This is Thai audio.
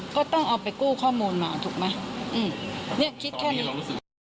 ก็ต้องเอาไปกู้ข้อมูลมาถูกไหมอืมเนี่ยคิดแค่นี้